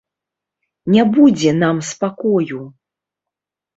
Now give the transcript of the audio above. Не будзе нам спакою.